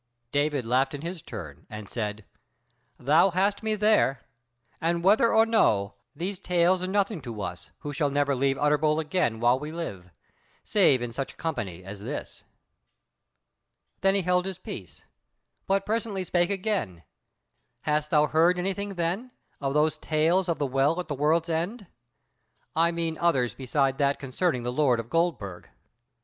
David laughed in his turn and said: "Thou hast me there; and whether or no, these tales are nothing to us, who shall never leave Utterbol again while we live, save in such a company as this." Then he held his peace, but presently spake again: "Hast thou heard anything, then, of those tales of the Well at the World's End? I mean others beside that concerning the lord of Goldburg?"